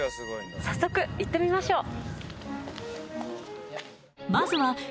早速行ってみましょう